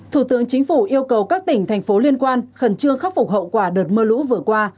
thủ tướng chính phủ yêu cầu các tỉnh thành phố liên quan khẩn trương khắc phục hậu quả đợt mưa lũ vừa qua